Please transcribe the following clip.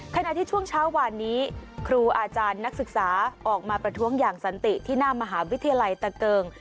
ขณะที่ช่วงเช้าวานนี้ครูอาจารย์นักศึกษาออกมาประท้วงอย่างสันติที่หน้ามหาวิทยาลัยตะเกิง